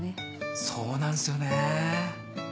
そうなんすよね。